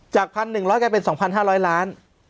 จาก๑๑๐๐เป็น๒๕๐๐ล้าน